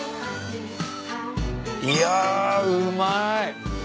いやうまい。